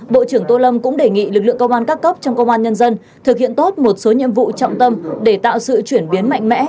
bộ trưởng tô lâm cũng đề nghị lực lượng công an các cấp trong công an nhân dân thực hiện tốt một số nhiệm vụ trọng tâm để tạo sự chuyển biến mạnh mẽ